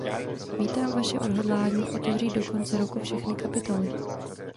Vítám vaše odhodlání otevřít do konce roku všechny kapitoly.